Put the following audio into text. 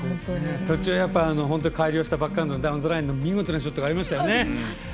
途中、改良したばかりのダウンザラインの見事なショットがありましたよね。